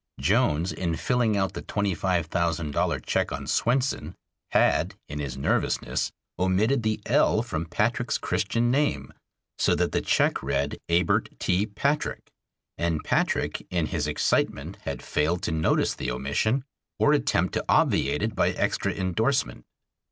Jones, in filling out the twenty five thousand dollar check on Swenson, had in his nervousness omitted the "l" from Patrick's Christian name, so that the check read "Abert T. Patrick," and Patrick in his excitement had failed to notice the omission or attempt to obviate it by extra indorsement.